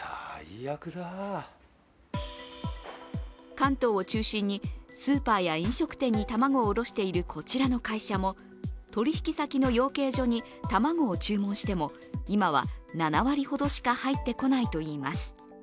関東を中心にスーパーや飲食店に卵を卸しているこちらの会社も取引先の養鶏場に卵を注文しても今は７割ほどしか入ってこないといいます。